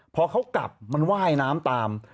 พอเขากลับมันว่ายน้ำตาม